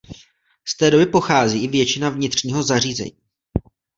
Z té doby pochází i většina vnitřního zařízení.